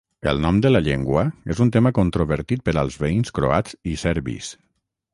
El nom de la llengua és un tema controvertit per als veïns croats i serbis.